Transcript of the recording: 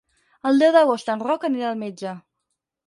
El deu d'agost en Roc anirà al metge.